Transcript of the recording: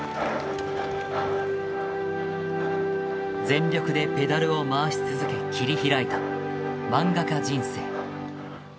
全力でペダルを回し続け切り開いたマンガ家人生。